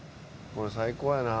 これ最高やな。